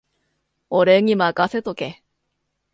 俺にまかせとけ